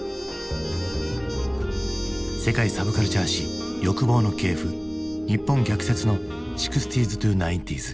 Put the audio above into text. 「世界サブカルチャー史欲望の系譜日本逆説の６０−９０ｓ」。